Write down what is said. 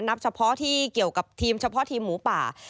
นับเฉพาะที่เกี่ยวกับทีมเฉพาะทีมหมูป่า